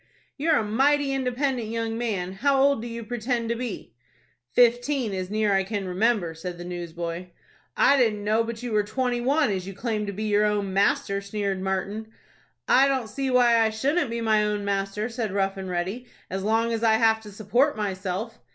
"You're a mighty independent young man. How old do you pretend to be?" "Fifteen, as near as I can remember," said the newsboy. "I didn't know but you were twenty one, as you claim to be your own master," sneered Martin. "I don't see why I shouldn't be my own master," said Rough and Ready, "as long as I have to support myself."